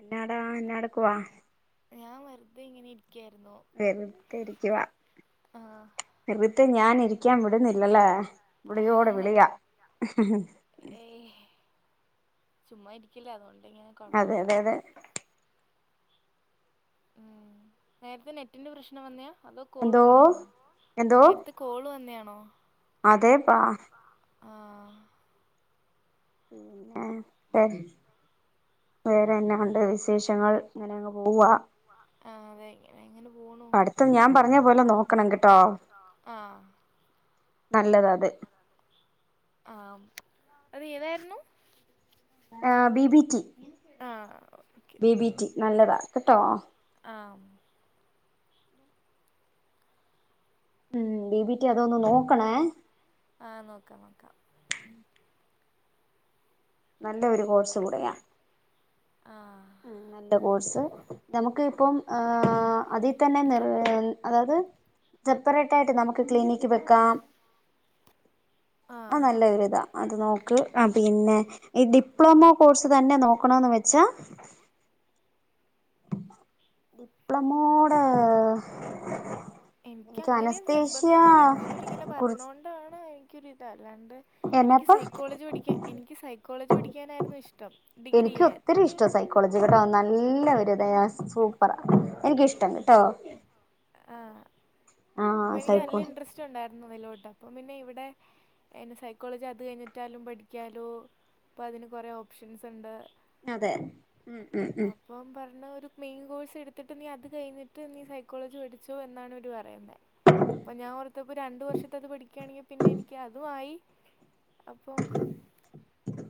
എന്നാടാ എന്നാടക്കുവാ ഞാൻ വറുതെ ഇങ്ങനെ ഇരിക്കായിരുന്നു വെറുതരിക്കുവ ആ വെറുതെഹ് ഞാന ഇരിക്കാൻ വിടുന്നില്ലല്ലേ വിളിയോട് വിളിയാ ഏയ് ചുമ്മാ ഇരിക്കല്ലേ അതുകൊണ്ട് ഇങ്ങനെ അതെ കുഴപ്പമില്ല അതെ അതെ ഉം നേരത്തെ നെറ്റിന്റെ പ്രശ്നം വന്നാ അതോ കോള് എന്തോ വന്നാണോ നേരത്തെ കോള് വന്നാ ഓ അതെ പാ ആ പിന്നെ വെ വേറെന്നെ ഉണ്ട് വിശേഷങ്ങള് അങ്ങനെങ്ങ് പോവാ ആഹ് അതെ [unintelligible] പടുത്തം ഞാൻ പറഞ്ഞ പോലെ നോക്കണം കേട്ടോ ആ നല്ലത് അത് ആ അത് ഏതായിരുന്നു ആ ബി ബി റ്റി ആ ഓക്കെ ബി ബി റ്റി നല്ലതാ കേട്ടോ ആ മ് ബിബിറ്റി അതൊന്ന് നോക്കണേ ആ നോക്കാം നോക്കാം നല്ല ഒരു കോഴ്സ് കൂടെയ ആ മ് നല്ല കോഴ്സ് നമുക്ക് ഇപ്പം അതി തന്നെ നി അതായത് സെപ്പറേറ്റ് ആയിട്ട് നമുക്ക് ക്ലിനിക്ക് വെക്കാം ആ നല്ല ഒരു ഇതാ അത് നോക്ക് ആ പിന്നെ ഈ ഡി ഡിപ്ലോമോ കോഴ്സ് തന്നെ നോക്കണന്ന് വെച്ചാ ഡിപ്ലമോട എനിക്ക് അങ്ങനെ നിർബന്ധം ഒന്നുമില്ല ഇപ്പൊ ഇവരിങ്ങനെ കുറിച്ച് പറഞ്ഞോണ്ടാണ് എനിക്കൊരി ല്ലാണ്ട് എനിക്ക് എന്നാപ്പ സൈക്കോളജി പഠിക്കാ എനിക്ക് സൈക്കോളജി പഠിക്കാനായിരുന്നു ഇഷ്ടം ഡിഗ്രി എനിക്ക് ചെയ്യാൻ ഒത്തിരി ഇഷ്ട സൈക്കോളജി പ്പർ എനിക്കിഷ്ടണ് കേട്ടോ ആ അപ്പൊ എനിക്ക് നല്ല സൈക്കോളജി ഇൻട്രസ്റ്റ് ഉണ്ടായിരു [unintelligible] അപ്പം പിന്നെ ഇവിടെ സൈക്കോളജി അത് കഴിഞ്ഞിട്ടാലും പഠിക്കാലോ അപ്പോ അതിന് കുറേ ഓപ്ഷൻസ് ഉണ്ട് അതെ ഉം ഉം ഉം അപ്പം പറഞ്ഞ ഒരു മെയിൻ കോഴ്സ് എടുത്തിട്ട് നീ അത് കഴിഞ്ഞിട്ട് നീ സൈക്കോളജി പഠിച്ചോ എന്നാണ് അവര് പറയുന്നെ അപ്പൊ ഞാൻ ഓർത്തപ്പോ രണ്ടു വർഷത്ത അത് പഠിക്കുകയാണെങ്കിൽ പിന്നെ എനിക്ക് അതും ആയി അപ്പം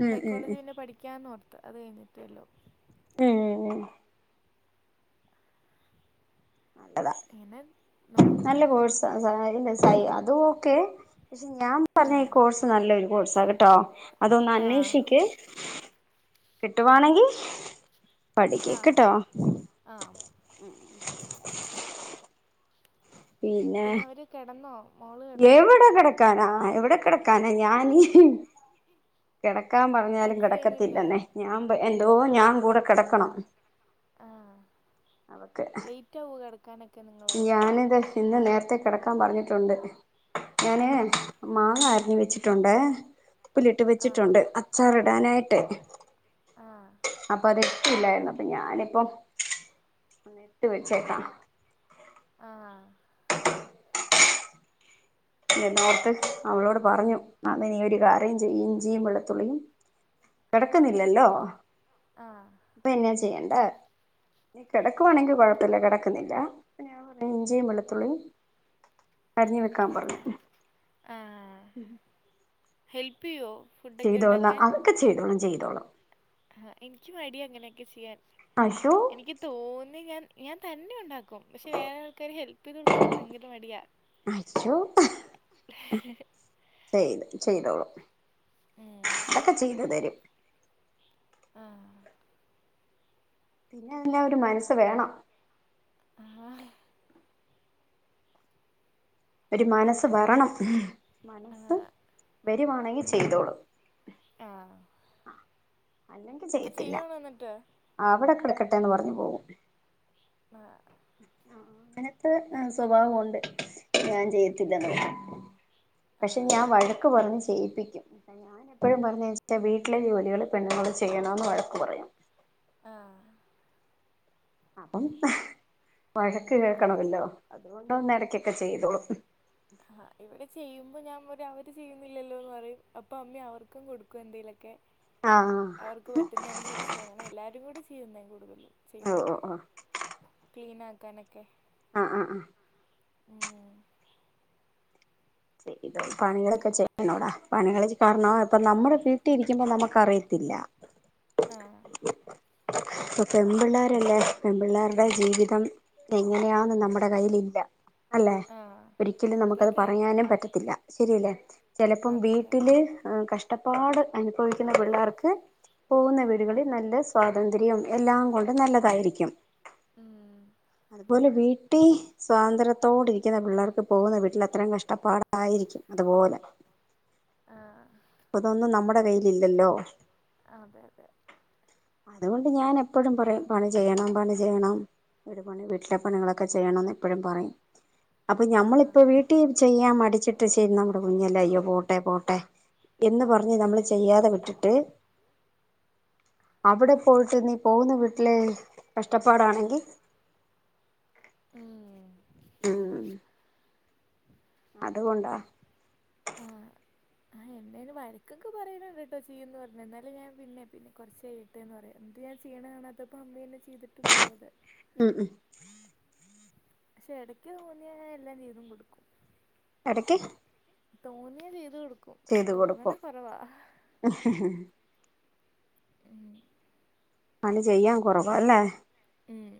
ഉം ഉം സൈക്കോളജി ഉം പിന്നെ പഠിക്ക അത് കഴിഞ്ഞിട്ടേള്ളൂ മ് ഹ് ഹ് നല്ലതാ ഇങ്ങനെ നല്ല നോക്കുന്നു കോഴ്സ സൈ അത്‌ ഓക്കെ പക്ഷെ ഞാൻ പറഞ്ഞ ഈ ആഹ് കോഴ്സ് നല്ലൊരു കോഴ്സ്‌ ട്ടാക് ട്ടോ അതൊന്ന് ആഹ് അന്വേഷിക്ക് കിട്ടുവാണെങ്കിൽ പഠിക്ക്കേ ആഹ് ട്ടോ ആഹ് പിന്നെ അവര് കിടന്നോ മോള് കിടന്നോ എവിടെ കിടക്കാനാ എവിടെ കിടക്കാനാ ഞാനിൻ കിട കിടക്കാൻ ക്കാൻ പറഞ്ഞാലും പഠിച്ചു കിടക്കത്തില്ല കഴിഞ്ഞില്ലേ ന്നെ ഞാൻ അതോ ഞാൻ കൂടെ കിടക്കണം ആഹ അവക്ക് ലേറ്റ് ആവു കിടക്കാനൊക്കെ നിങ്ങള് ഞാനിത് ഇന്ന് നേരത്തെ കിടക്കാൻ പറഞ്ഞിട്ടുണ്ട് ഞാനേ ആഹ് മാങ്ങ അരിഞ്ഞുവെ വച്ചിട്ടുണ്ട് ഉപ്പിലിട്ട് ആഹ് വച്ചിട്ടുണ്ട് അച്ചാറ് ഇടാനായി ഇട്ട് ആഹ് ഇല്ലായിരുന്നു അപ്പൊ ഞാനിപ്പം ഇട്ട് വെച്ചേക്കാം ആഹ എന്നോർത്ത് അവളോട് പറഞ്ഞു അന്ന് നീ ഒരു കരയും ചെയ്യ ഇഞ്ചിയും വെള്ളത്തുള്ളിയും കിടക്കുന്നില്ലല്ലോ ആഹ് അപ്പൊ പിന്നെ ചെയ്യണ്ട അല്ല നീ കിടക്കുവാണെങ്കിൽ കുഴപ്പമില്ല കിടക്കുന്നില്ല ഞാൻ പറ ഇഞ്ചിയും വെളുത്തുള്ളിയും അരിഞ്ഞഞ് വെക്കാൻ പറഞ്ഞു ഉം ഹെൽപ്പ ചെയ്യോ ഫുഡൊക്കെ ചെയ്തോന്ന അതൊക്കെ ചെയ്തോളണം ചെയ്യും തോളും ആഹ എനിക്ക് മടിയ അങ്ങനെയൊക്കെ ചെയ്യാൻ അയ്യോ എനിക്ക് തോന്നി ഞാൻ ഞാൻ തന്നെ ഉണ്ടാക്കും പക്ഷെ വേറെ ആൾക്കാര് ഹെല്പ് ചെയ്ത് കൊടുക്കാനൊക്കെ ഭയങ്കര മടിയാ അയ്യോ ചെയ്ത് ചെയ്തോളും ഉം അതൊക്കെ ചെയ്തു തരും ആഹ് പിന്നെ എല്ലാം ഒരു മനസ്സ വേണം ആഹ ഒരു മനസ്സ് വരണം മനസ്സ് ആഹ് വെ രുവാണെങ്കിൽ ചെയ്തോളൂ ആഹ അല്ലെങ്കിൽ ചെയ്യത്തില്ല അവിടെ കിടക്ക ന്ന് പറഞ്ഞ് പോവും ആഹ് ആ ങ്ങനത്തെ സ്വഭാവവും ണ്ട് ഞാൻ ചെയ്യത്തില്ലെന്നെ പക്ഷെ ആഹ് ഞാൻ വഴക്ക് പറഞ്ഞ ചെയ്യിപ്പിക്കും ഞാൻ എപ്പോഴും പറഞ്ഞ വീട്ടിലെ ജോലികള് പെണ്ണുങ്ങൾ ചെയ്യണന്ന് വഴക്ക് പറയും ആന്ന് അപ്പം വഴക്ക് കേൾക്കണമല്ലോ അതുകൊണ്ടന്ന ഇടക്കൊക്കെ ചെയ്തോളും ആ ഇവിടെ ചെയ്യും അപ്പം ഞാൻ പറയും അവര് ചെയ്യുന്നില്ലല്ലോ എന്ന് പറയും അപ്പോൾ അമ്മ അവർക്കും കൊടുക്കും എന്തെലൊക്കെ ആഹ് അവർക്ക് പറ്റുന്ന അനുസരിച്ച് അങ്ങനെ എല്ലാരും കൂടി തീരുന്നയും കൂടുതൽ ഓ ചെയ്യുമ്പോ ഓ ഓ ക്ലീനാക്കാനൊക്കെ ആഹ് ആഹ് ആഹ് ഉം പണികളൊക്കെ ചെയ്യണോടാ പണികൾ കാരണ ഇപ്പൊ നമ്മുടെ വീട്ടിലിരിക്കുമ്പോ നമുക്ക് അറിയത്തില്ല ആഹ് ഇപ്പൊ പെൺപിള്ളേരല്ലേ പെൺപിള്ളേരുടെ ജീവിതം എങ്ങനെയാന്ന് നമ്മുടെ കയ്യിലില്ല അല്ലെ ആഹ് ഒരിക്കലും നമുക്കത് അതതെ പറയാനും പറ്റത്തില്ല ശരിയല്ലേ ചെലപ്പം അതതെ വീട്ടില് കഷ്‌ട കഷ്‌ടപ്പാട് അനുഭവിക്കുന്ന പിള്ളേർക്ക് പോകുന്ന വീടുകളിൽ നല്ല സ്വാതന്ത്ര്യം എല്ലാം കൊണ്ട് നല്ലതായിരിക്കും ഉം അതുപോലെ വീ കുട്ടി സ്വാതന്ത്ര്യത്തോടെ ഇരിക്കുന്ന പിള്ളേർക്ക് പോകുന്ന വീട്ടിൽ അത്രയും കഷ്ടപ്പാട ആയിരിക്കും അതുപോലെ ആഹ് ഇപ്പതൊന്നും നമ്മുടെ കയ്യിൽ ഇല്ലല്ലോ അതെ അതെ അതുകൊണ്ട് ഞാൻ എപ്പോഴും പറയും പണി ചെയ്യണം പണി ചെയ്യണം വീട് പണി വീട്ടിലെ പണികളൊക്കെ ചെയ്യണം ന്ന് എപ്പോഴും പറയും അപ്പൊ ഞമ്മളിപ്പ ആഹ് വീട്ടിൽ ചെയ്യാ മ അടിച്ചിട്ട് ചെയ്യുന്ന നമ്മടെ കുഞ്ഞല്ല അയ്യോ പോട്ടെ പോട്ടെ എന്ന് പറഞ്ഞ് നമ്മള് ചെയ്യാതെ വിട്ടിട്ട് അവിടെ പോയിട്ട് നീ പോകുന്ന വീട്ടില് കഷ്ടപ്പാടാണെങ്കിൽ ഉം ഉം അതുകൊണ്ടാ ആഹ് ആഹ് എന്നേ വഴക്കൊക്കെ പറയന്നുണ്ട് കേട്ടോ ചെയ്യന്ന് പറഞ്ഞ എന്നാലും ഞാൻ പിന്നെ പിന്നെ കൊറച്ചായിട്ടേന്ന് പറയും എന്നിട്ട് ഞാൻ ചെയ്യണ കാണാത്തപ്പോ അമ്മെ എന്നെ ചി ചെയ്തിട്ട് പോവില. ഉം ഉം പക്ഷെ ഇടക്ക് തോന്നിയ എല്ലാം ചെയ്‌തു കൊടുക്കും. എടക്ക്. തോന്നിയ ചെയ്ത് കൊടു ചെയ്തു കൊടുക്കും. ഉം പണി ചെയ്യാൻ കുറവാ അല്ലേ? ഉം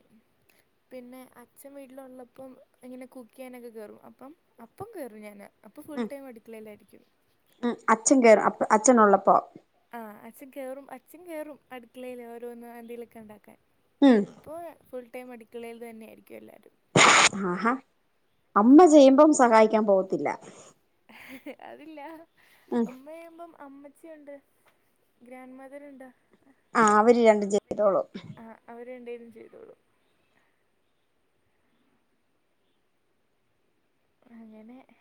പിന്നെ അച്ഛൻ വീട്ടിലുള്ളപ്പം ഇങ്ങനെ കുക്ക് ചെയ്യാനൊക്കെ കേറും അപ്പം അപ്പം കേറും ഞാന. അപ്പൊ ഫുൾ ഉം ടൈം അടുക്കലയിലായിരിക്കും. ഉം അച്ഛൻ [inaudible] അച്ഛനുള്ളപ്പോ ആഹ അച്ഛൻ കേറും, അച്ഛൻ കേറും, അടുക്കളേയില് ഓരോന്നും എന്തേലൊക്കെ ഉണ്ടാക്കാൻ. ഉം അപ്പൊ ഫുൾ ഫുൾ ടൈമും അടിക്കളയിൽ തന്നെയായിരിക്കും എല്ലാവരും. [unintelligible] ആഹാ അമ്മ ചെയ്യുമ്പം സഹായിക്കാൻ പോവത്തില്ല. അതില്ല. [unintelligible] ഉമ്മചെയ്യുമ്പം അമ്മച്ചിയുണ്ട് ഗ്രാൻഡ് മദർ ഉണ്ടാ ആ അവര് രണ്ടും ചെയ്തോളും. ആ അവര് രണ്ട് പേരും ചെയ്തോളും. അങ്ങനെ ഹേ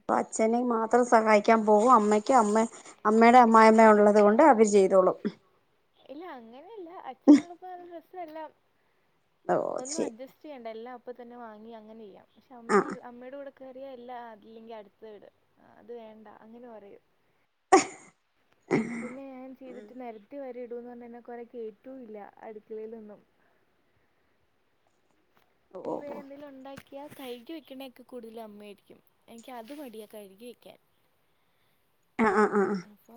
അപ്പൊ അച്ഛനെ മാത്രം സഹായി ക്കാൻ പോകും അമ്മയ്ക്ക് അമ്മ അമ്മയുടെ അമ്മായിമ്മ ഉള്ളത് കൊണ്ട് അവര് ചെയ്തോളും ല്ലാം ഓ ഒന്നും ശരി അഡ്ജസ്റ്റ് ചെയ്യണ്ട എല്ലാം ഇപ്പ തന്നെ വാങ്ങി അങ്ങനെയ്യാം പക്ഷെ ആ അമ്മൾ അമ്മയുടെ കൂടെ കറിയ അല്ല ആക്കില്ലെങ്കിൽ അടുത്ത വിട അത് വേണ്ട അങ്ങനെ പറയും പിന്നെ ഞാൻ ചെയ്തിട്ട് നിരത്തി വര ന്ന് പറന്നെന്ന് കൊറെ കേട്ടൂല്ല അടുക്കളയിലൊന്നും ഓ ഇപ്പൊ ഓ എന്തെങ്കിലും ഉണ്ടാക്കി ആ കഴുകി വെക്കണ നെക്കെ കൂടുതലും അമ്മയായിരിക്കും എനിക്ക് അത് മടിയാ കഴുകി വെക്കാൻ ആ ആ ആ ആ അപ്പൊ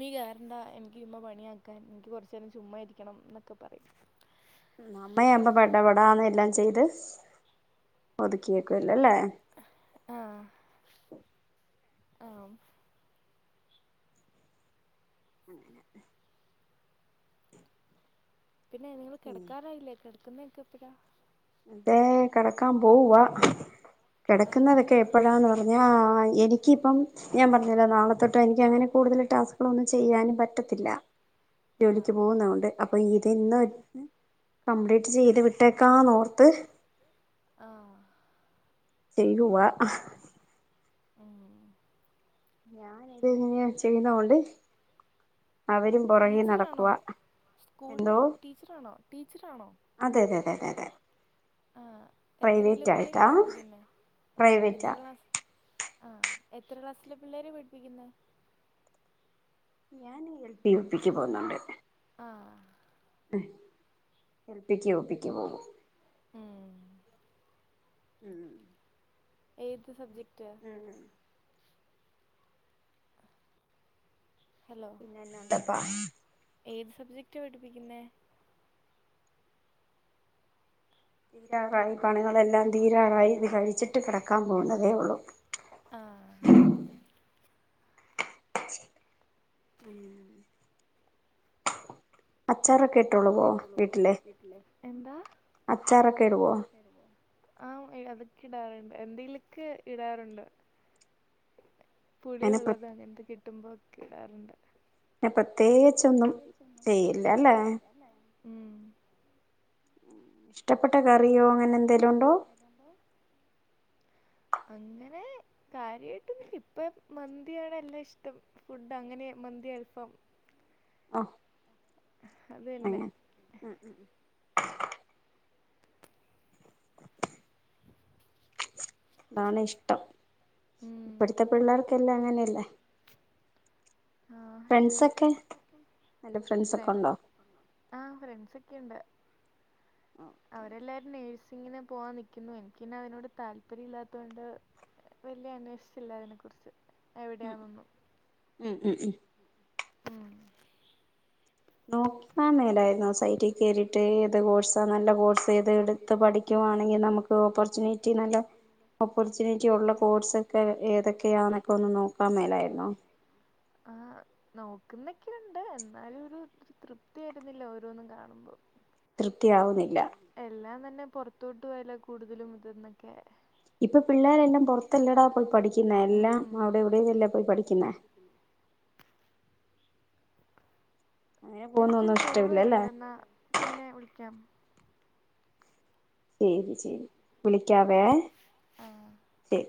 നീ കാറേണ്ട എനിക്ക് ചുമ്മ പണിയാക്കാൻ എനിക്ക് കുറച്ച നേരം ചുമ്മ ഇരിക്കണം എന്നൊക്കെ പറയും അമ്മയാമ്പ പട പടന്ന് എല്ലാം ചെയ്ത് ഒതുക്കിയേക്കു ലല്ലേ ആഹ് ആഹ് അങ്ങനെ ഏഹ് പിന്നെ നിങ്ങൾ കിടക്കാറായില്ലേ കെടക്കുന്നതൊക്കെ [unintelligible] അതെ കിടക്കാൻ പോവുവാ ആഹ് കിടക്കുന്നതൊക്കെ എപ്പഴാന്ന് പറഞ്ഞ ഞ എനിക്കിപ്പം ഞാൻ പറഞ്ഞില്ല നാളെത്തൊട്ട് എനിക്ക് അങ്ങനെ കൂടുതൽ ടാസ്ക്കുകളൊന്നും ചെയ്യാനും പറ്റത്തില്ല ജോലിക്ക് ആഹ് പോകുന്ന കൊണ്ട് അപ് അപ്പൊ ഇത് ഇന്ന് കംപ്ലീറ്റ് ചെയ്ത് വിട്ടേക്കാം ന്നോർത്ത് [unintelligible] ആഹ് ചെയ്യുവാ ഉം ഞാൻഇത് ഇങ്ങനെയാ ചെയ്യുന്നകൊണ്ട് ടീച്ചറാണോ സ്കൂളില് എന്തോ ടീച്ചറാണോ ടീച്ചറാണോ അതെ അതെ അതെ അതെ ആഹ് എത്രയില പ്രൈവറ്റ് പിള്ളേരെ ആയിട്ടാ പഠിപ്പിക്കുന്നെ എത്ര പ്രൈവറ്റാ. ക്ലാസ് ആഹ് എത്ര ക്ലാസ്സിലെ പിള്ളേരെയാ പടിപ്പിക്കുന്നെ? ഞാൻ ഈ എൽ പി യു പി ക്ക് പോന്നുണ്ട് ആഹ് ആഹ് എൽപിക്കും യുപ്പിക്ക് പോകും ഉം ഉം ഉം എത് സബ്ജെക്റ്റ് [unintelligible] ഉം പിന്നെ എന്നാണ്ട് [unintelligible] എത് സബ്ജക്റ്റാ പഠിപ്പിക്കുന്നെ? തീരാറായി പണികളെല്ലാം തീരാറായി ഇത് കഴിച്ചിട്ട് കിടക്കാൻ പോകുന്നതേ ഉള്ളു. ആഹ് ഉം എന്താ അച്ചാറൊക്കെ ഇടുവോ ആ അതൊക് ഇടാറുണ്ട് എന്തെലൊക്കെ ഇടാറുണ്ട് പുളി അങ്ങനെ ഒള്ളത് പിന്നെ അങ്ങനത്തെ കിട്ടുമ്പോ ക്കെ ഇടാറുണ്ട് ഇട്ടപ്പത്ത് പ്രത്യേകിച്ചൊന്നും ചെയ്യില്ല അല്ലേ ഉം ഇഷ്ടപ്പെട്ട കറിയോ അങ്ങനെ എന്തെലും ഉണ്ടോ അങ്ങനെ കാര്യായിട്ടൊന്നും ഇപ്പ മന്തിയാണ് എറ്റവും ഇഷ്ടം ഫുഡ് അങ്ങനെ മന്തി അൽഫാം ആഹ് അതന്നെ ഉം ഉം അതാണ് ഇഷ്ടം ഉം ഇപ്പഴത്തെ പിള്ളേർക്ക് ഇപ്പെല്ലാം അങ്ങനെല്ലേ ആഹ് ഫ്രണ്ട്സ് നല്ല ഓകെആ ഫ്രണ്ട്സൊക്കെ ഉണ്ടോ ഫ്രണ്ട്സ് യുണ്ട് ഓക്കെ അവരെല്ലാരും നേയ്സ്- ഇങ്ങനെ പോവാൻ നിൽക്കുന്നു എനിക്കന്നെ അതിനോട് താല്പര്യം ഇല്ലാത്തോണ്ട് വല്യ അന്വേഷിച്ചില്ല അയിനെ കുറിച്ച് ഉം എവിടെയാന്നൊന്നും ഉം ഉം ഉം ഉം ഓ ആ മേലായ്ര്ന്നോ സൈറ്റി കേറിട്ട് ഏത് കോഴ്സാ നല്ല കോഴ്സ് ഏത് എടുത്ത് പഠിക്കുവാണെങ്കിൽ നമുക്ക് ഓപ്പർച്യൂണിറ്റി നല്ല ഓപ്പർച്യൂണിറ്റി ഉള്ള കോഴ്സൊക്കെ ഏതൊക്കെയാന്നൊക്കൊന്ന് നോക്കാം മേലായിരുന്നോ നോക്കുന്നൊക്കെണ്ട് എന്നാലും ഒരു തൃപ്തി രുന്നില്ല ഓരോന്നും കാണുമ്പോ തൃപ്തിയാവുന്നില്ല പിന്നെ പുറത്തോട്ട് പോയല്ല കൂടുതലും ഇതന്നൊക്കെ ഇപ്പൊ പിള്ളേരെെല്ലാം പുറത്തല്ലടാ പോയി പഠിക്കുന്നെ എല്ലാം അവിടെ ഇവിടെതല്ല പോയി പഠിക്കുന്നെ അങ്ങനെ എനിക്കൊരു പോകുന്നൊന്നും കോൾ ഇഷ്ടമില്ലല്ലേ വരണ്ടെന്നാ പിന്നെ വിളിക്കാം ശരി ശരി വിളിക്കാവേ ആഹ് ശരി.